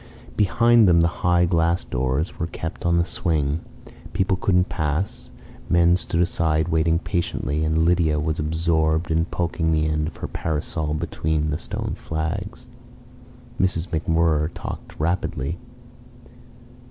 Behind them the high glass doors were kept on the swing. People couldn't pass, men stood aside waiting patiently, and Lydia was absorbed in poking the end of her parasol between the stone flags. Mrs. MacWhirr talked rapidly.